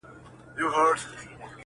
هینداره ماته که چي ځان نه وینم تا ووینم!!